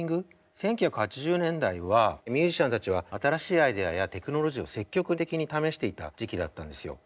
１９８０年代はミュージシャンたちは新しいアイデアやテクノロジーを積極的に試していた時期だったんですよ。